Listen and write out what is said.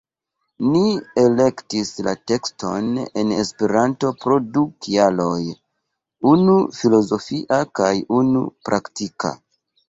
Ni elektis la tekston en Esperanto pro du kialoj, unu filozofia kaj unu praktika.